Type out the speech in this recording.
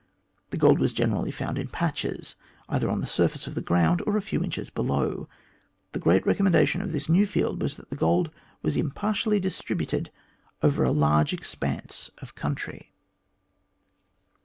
The gold was generally found in patches, either on the surface of the ground, or a few inches below. The great recommendation of this new field was that the gold was impartially distributed over a large expanse of country.